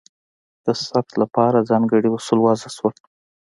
د ثبت لپاره ځانګړي اصول وضع شول.